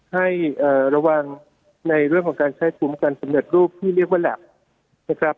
ให้ระวังในเรื่องของการใช้ภูมิกันสำเร็จรูปที่เรียกว่าแล็บนะครับ